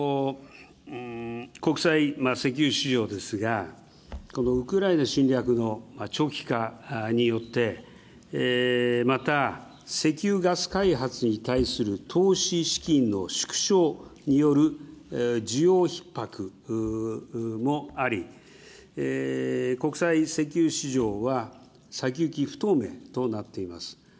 国際石油市場ですが、このウクライナ侵略の長期化によって、また石油ガス開発に対する投資資金の縮小による需要ひっ迫もあり、国際石油市場は先行き不透明となっています。